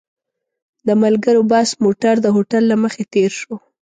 د ملګرو بس موټر د هوټل له مخې تېر شو.